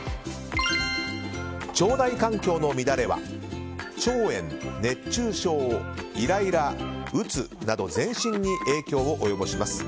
腸内環境の乱れは腸炎、熱中症イライラ、うつなど全身に影響を及ぼします。